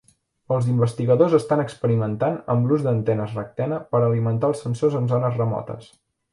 Els investigadors estan experimentant amb l'ús de d'antenes rectena per alimentar els sensors en zones remotes.